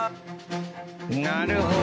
なるほど。